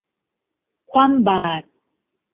คว่ำบาตร